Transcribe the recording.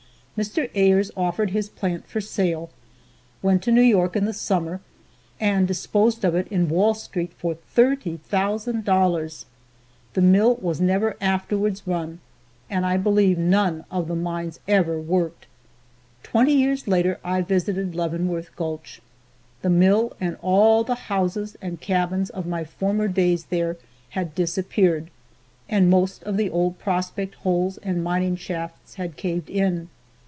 Mr. Ayres offered his plant for sale, went to New York in the summer and disposed of it in Wall street for $30,000. The mill was never afterwards run and I believe, none of the mines ever worked. Twenty years later I visited Leavenworth gulch. The mill and all the houses and cabins of my former days there had disappeared, and most of the old prospect holes and mining shafts had caved in.